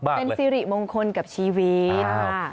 เป็นสิริมงคลกับชีวิต